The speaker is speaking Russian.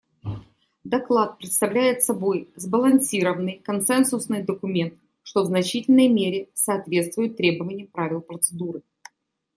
Доклад представляет собой сбалансированный консенсусный документ, что в значительной мере соответствует требованиям правил процедуры.